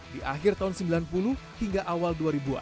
di akhir tahun sembilan puluh hingga awal dua ribu an